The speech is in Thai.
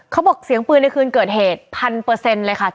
เขาบอกเสียงปืนในคืนเกิดเหตุพันเปอร์เซ็นต์เลยค่ะ